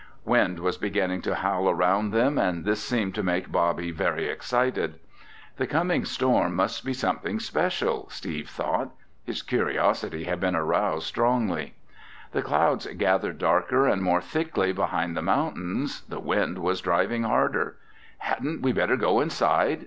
Wind was beginning to howl around them and this seemed to make Bobby very excited. The coming storm must be something special, Steve thought. His curiosity had been aroused strongly. The clouds gathered darker and more thickly behind the mountains. The wind was driving harder. "Hadn't we better go inside?"